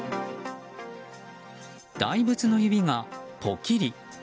大仏の指がポキり。